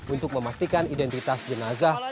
untuk memastikan identitas jenazah